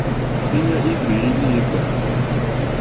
Íɲa í ŋɡbèé líǐpkà.